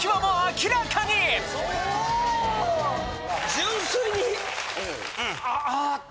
純粋に。